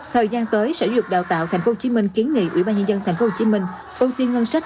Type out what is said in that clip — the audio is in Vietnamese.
thời gian tới sở dục đào tạo tp hcm kiến nghị ubnd tp hcm ưu tiên ngân sách